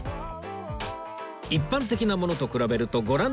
一般的なものと比べるとご覧のとおり